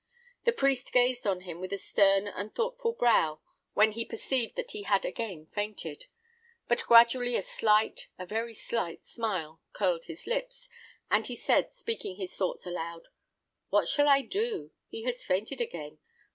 The priest gazed on him with a stern and thoughtful brow when he perceived that he had again fainted; but gradually a slight, a very slight smile curled his lip, and he said, speaking his thoughts aloud, "What shall I do? He has fainted again.